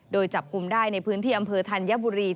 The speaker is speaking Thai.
โดยจับกลุ่มได้ในพื้นที่อำเภอธัญบุรี